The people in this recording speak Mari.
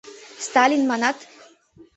— Сталин, манат...